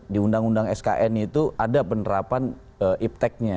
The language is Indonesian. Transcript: di undang undang skn itu ada penerapan iptec nya